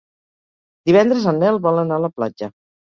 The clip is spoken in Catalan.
Divendres en Nel vol anar a la platja.